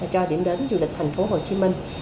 cho điểm đến du lịch thành phố hồ chí minh